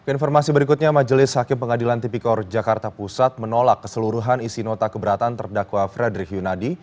informasi berikutnya majelis hakim pengadilan tipikor jakarta pusat menolak keseluruhan isi nota keberatan terdakwa frederick yunadi